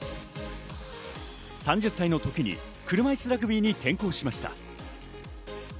３０歳の時に車いすラグビーに転向しました。